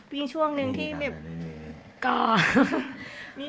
มีช่วงหนึ่งที่